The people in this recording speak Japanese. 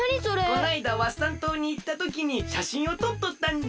こないだワッサン島にいったときにしゃしんをとっとったんじゃ。